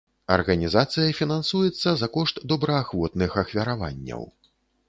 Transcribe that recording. Арганізацыя фінансуецца за кошт добраахвотных ахвяраванняў.